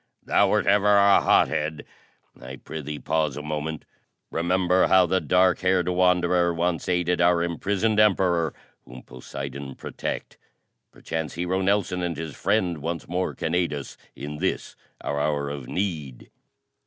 "Thou wert ever a hothead! I prithee pause a moment! Remember how the dark haired Wanderer once aided our imprisoned Emperor, whom Poseidon protect! Perchance, Hero Nelson and his friend once more can aid us in this, our hour of need."